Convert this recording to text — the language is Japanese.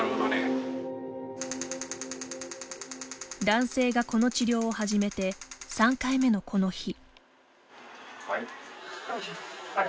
男性がこの治療を始めて３回目のこの日。